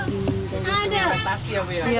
untuk investasi apa ya